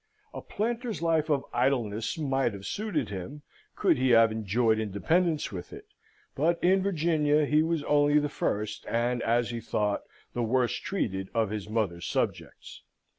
A planter's life of idleness might have suited him, could he have enjoyed independence with it. But in Virginia he was only the first, and, as he thought, the worst treated, of his mother's subjects.